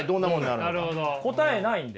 答えないんで。